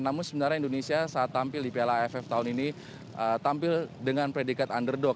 namun sebenarnya indonesia saat tampil di piala aff tahun ini tampil dengan predikat underdog